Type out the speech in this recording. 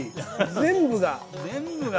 全部が。